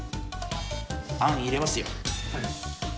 あん入れますよ。